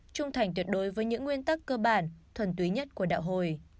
trung thành tuyệt đối với những nguyên tắc cơ bản thuần túy nhất của đạo hồi